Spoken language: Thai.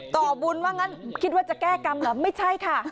ต่อบุญว่างั้นคิดว่าจะแก้กรรมเหรอไม่ใช่ค่ะ